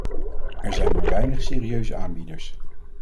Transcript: Er zijn maar weinig serieuze aanbieders.